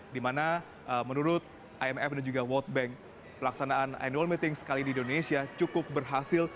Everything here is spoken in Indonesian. di mana menurut imf dan juga world bank pelaksanaan annual meeting sekali di indonesia cukup berhasil